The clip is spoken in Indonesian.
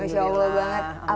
masya allah masya allah